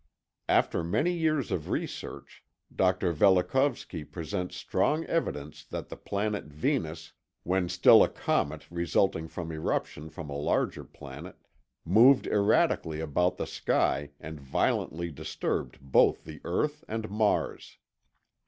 After many years of research, Dr. Velikovsky presents strong evidence that the planet Venus, when still a comet resulting from eruption from a larger planet, moved erratically about the sky and violently disturbed both the earth and Mars.